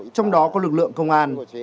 trong đó có lực lượng công an